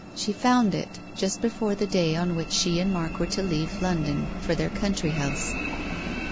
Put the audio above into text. She found it, just before the day on which she and Mark were to leave London for their country house.